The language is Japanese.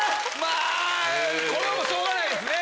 これもうしょうがないですね。